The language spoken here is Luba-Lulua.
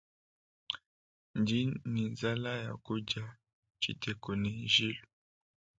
Ndi ni nzala yakudia tshiteku ne njilu.